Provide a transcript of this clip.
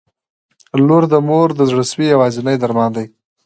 • لور د مور د زړسوي یوازینی درمان دی.